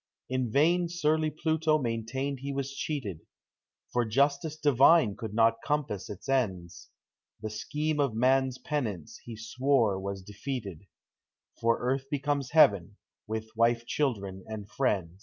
In vain surly Pluto maintained he was cheated, For justice divine could not compass its ends; The scheme of man's penance he swore was de feated, For earth becomes heaven with— wife, children, and friends. Digitized by Google FRIENDSHIP.